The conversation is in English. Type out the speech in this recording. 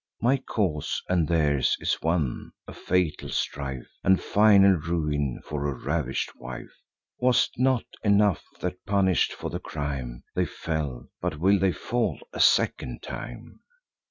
My cause and theirs is one; a fatal strife, And final ruin, for a ravish'd wife. Was 't not enough, that, punish'd for the crime, They fell; but will they fall a second time?